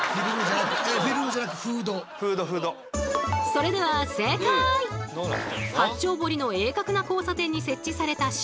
それでは八丁堀の鋭角な交差点に設置された信号機。